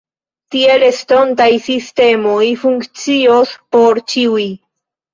Tiel estontaj sistemoj funkcios por ĉiuj.